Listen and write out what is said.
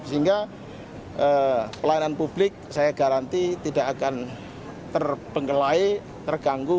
sehingga pelayanan publik saya garanti tidak akan terbengkelai terganggu